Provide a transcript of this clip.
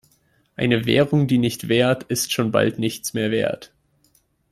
Eine Währung, die nicht währt, ist schon bald nichts mehr wert.